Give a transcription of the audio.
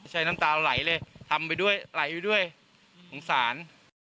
น้ำตาไหลเลยทำไปด้วยไหลไปด้วยสงสาร